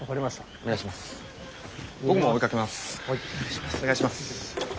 お願いします。